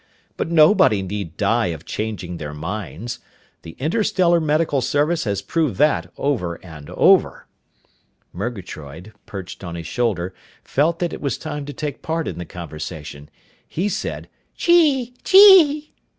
But nobody need die of changing their minds. The Interstellar Medical Service has proved that over and over!" Murgatroyd, perched on his shoulder, felt that it was time to take part in the conversation. He said, "_Chee chee!